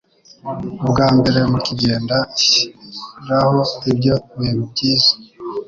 Ubwa mbere mukigenda shiraho ibyo bintu byiza